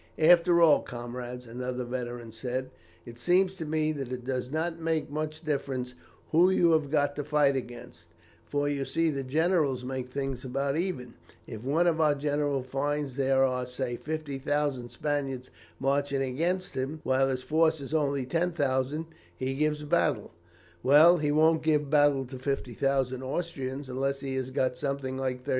"After all, comrades," another veteran said, "it seems to me that it does not make much difference who you have got to fight against, for you see the generals make things about even. If one of our generals finds that there are say 50,000 Spaniards marching against him, while his force is only 10,000, he gives battle. Well, he won't give battle to 50,000 Austrians unless he has got something like 35,000.